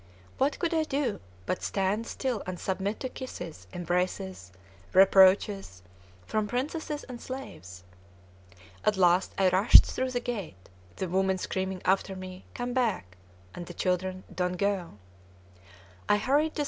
What could I do, but stand still and submit to kisses, embraces, reproaches, from princesses and slaves? At last I rushed through the gate, the women screaming after me, "Come back!" and the children, "Don't go!"